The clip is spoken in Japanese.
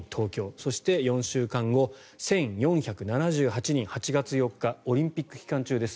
そして、４週間後１４７８人８月４日オリンピック期間中です。